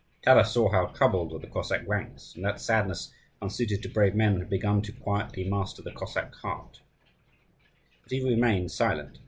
Taras saw how troubled were the Cossack ranks, and that sadness, unsuited to brave men, had begun to quietly master the Cossack hearts; but he remained silent.